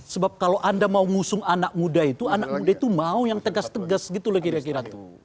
sebab kalau anda mau ngusung anak muda itu anak muda itu mau yang tegas tegas gitu loh kira kira tuh